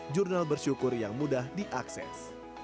jurnal bersyukur yang mudah diakses